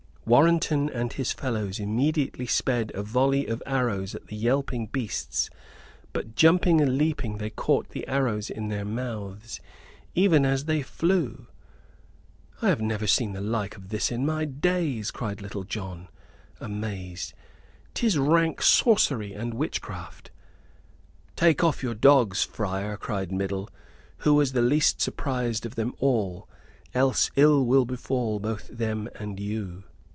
Warrenton and his fellows immediately sped a volley of arrows at the yelping beasts; but, jumping and leaping they caught the arrows in their mouths, even as they flew! "I never have seen the like of this in my days!" cried Little John, amazed. "'Tis rank sorcery and witchcraft." "Take off your dogs, friar," cried Middle, who was the least surprised of them all, "else ill will befall both them and you."